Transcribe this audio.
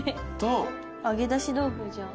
揚げ出し豆腐じゃあ。